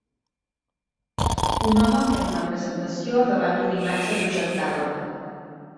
Un home fent una presentació davant d'una imatge projectada